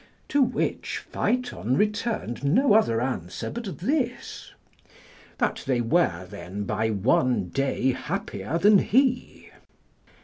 To which Phyton returned no other answer but this: "That they were then by one day happier than he."